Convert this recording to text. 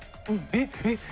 えっ？